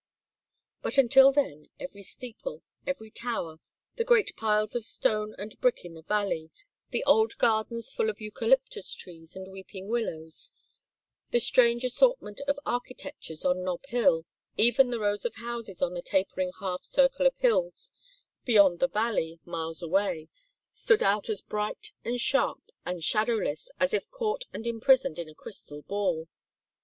But until then every steeple, every tower, the great piles of stone and brick in the valley, the old gardens full of eucalyptus trees and weeping willows, the strange assortment of architectures on Nob Hill, even the rows of houses on the tapering half circle of hills beyond the valley, miles away, stood out as bright and sharp and shadowless as if caught and imprisoned in a crystal ball.